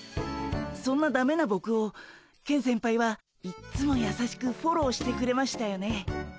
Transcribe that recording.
そんなダメなボクをケン先輩はいっつもやさしくフォローしてくれましたよね。